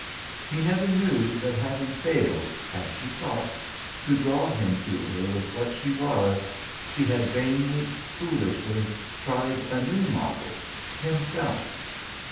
He never knew that having failed, (as she thought) to draw him to her with what she was, she had vainly, foolishly tried a new model himself.